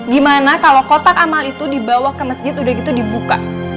gimana kalau kotak amal itu dibawa ke masjid udah gitu dibuka